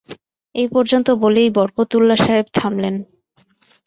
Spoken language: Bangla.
এই পর্যন্ত বলেই বরকতউল্লাহ সাহেব থামলেন।